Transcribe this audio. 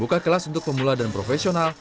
buka kelas untuk pemula dan profesional